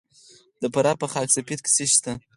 د فراه په خاک سفید کې څه شی شته؟